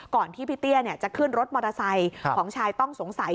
ที่พี่เตี้ยจะขึ้นรถมอเตอร์ไซค์ของชายต้องสงสัย